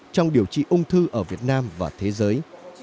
trong điều trị ung thư ở việt nam và thế giới